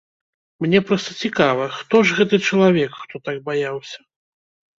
Мне проста цікава, хто ж гэты чалавек, хто так баяўся.